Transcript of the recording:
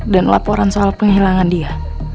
dan laporan soal penghilangan dia